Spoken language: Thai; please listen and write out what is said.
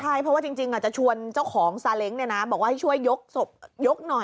ใช่เพราะว่าจริงจะชวนเจ้าของซาเล้งบอกว่าให้ช่วยยกศพยกหน่อย